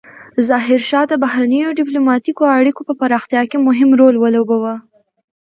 ظاهرشاه د بهرنیو ډیپلوماتیکو اړیکو په پراختیا کې مهم رول ولوباوه.